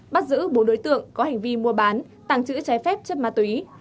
bắt giữ bốn đối tượng có hành vi mua bán tàng trữ trái phép chất ma túy